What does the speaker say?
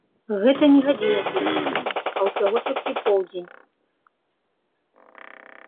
Гэта не гадзіна-пік, а ўсяго толькі поўдзень.